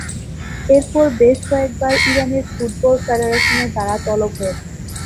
এরপর বেশ কয়েকবার ইরানের ফুটবল ফেডারেশনের দ্বারা তলব হয়েছেন।